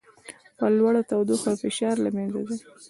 په لوړه تودوخې او فشار کې له منځه ځي.